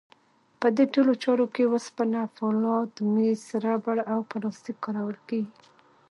په دې ټولو چارو کې وسپنه، فولاد، مس، ربړ او پلاستیک کارول کېږي.